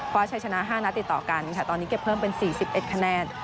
เพราะชัยชนะห้านัดติดต่อกันค่ะตอนนี้เก็บเพิ่มเป็นสี่สิบเอ็ดคะแนน